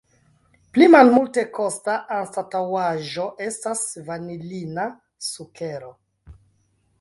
Pli malmultekosta anstataŭaĵo estas vanilina sukero.